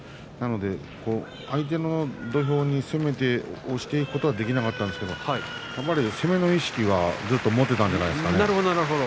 なので相手の土俵に攻めて押していくことはできなかったんですけれども攻めの意識はずっと持っていたんじゃないですかね。